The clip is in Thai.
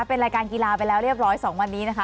เป็นรายการกีฬาไปแล้วเรียบร้อย๒วันนี้นะคะ